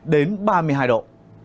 đến ba mươi hai độ